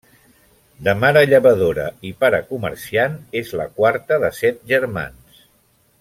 De mare llevadora i pare comerciant, és la quarta de set germans.